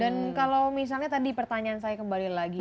dan kalau misalnya tadi pertanyaan saya kembali lagi